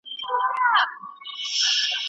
مالیده هم خوږه.